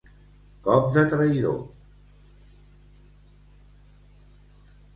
Cop de traïdor.